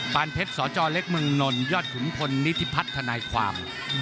ปานเพชรสเจ้าเล็กเมืองนลยอดขุมพลนี้ที่พัฒนาความ